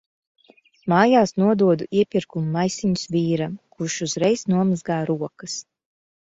Mājās nododu iepirkumu maisiņus vīram, kurš uzreiz nomazgā rokas.